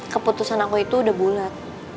keputusan aku itu udah bulat